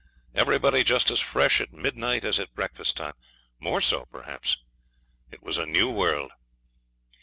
Everybody just as fresh at midnight as at breakfast time more so, perhaps. It was a new world.